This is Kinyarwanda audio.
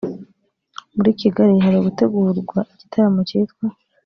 muri Kigali hari gutegurwa igitaramo cyitwa